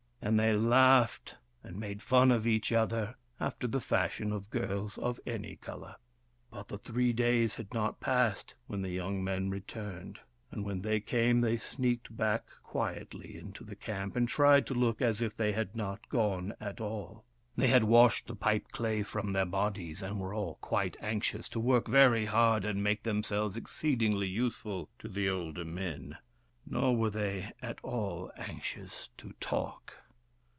And they laughed and made fun of each other, after the fashion of girls of any colour. But the three days had not past when the young men returned : and when they came, they sneaked back quietly into the camp and tried to look as if they had not gone at all. They had washed the pipe clay from their bodies, and were all quite anxious to work very hard and make themselves exceedingly useful to the older men ; nor were they at all anxious to talk.